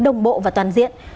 đồng bộ và toàn diện